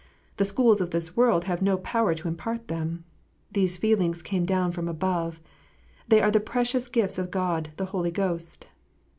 The schools of this world have no power to impart them. These feelings came down from above. They are the precious gifts of God the Holy Ghost.